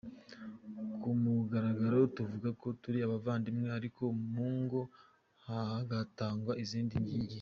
Ku mugaragaro tuvugako turi abavandimwe ariko mu ngo hagatangwa izindi nyigisho.